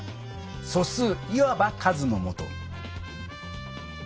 「素数」いわば数のもと。